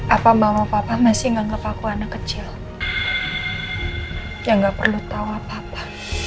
apa bawa papa masih nganggep aku anak kecil yang nggak perlu tahu apa apa